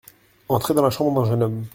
Entrer dans la chambre d’un jeune homme !